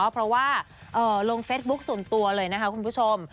เพราะว่าลงเฟซบุ๊คส่วนตัวเลยนะคะคุณผู้ชม